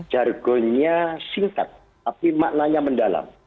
jargonnya singkat tapi maknanya mendalam